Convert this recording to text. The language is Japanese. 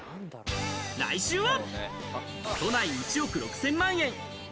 来週は、